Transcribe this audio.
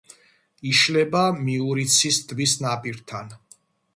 იშლება მიურიცის ტბის ნაპირთან.